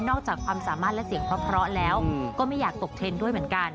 อกจากความสามารถและเสียงเพราะแล้วก็ไม่อยากตกเทรนด์ด้วยเหมือนกัน